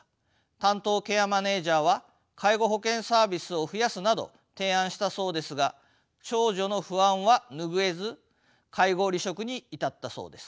担当ケアマネージャーは介護保険サービスを増やすなど提案したそうですが長女の不安は拭えず介護離職に至ったそうです。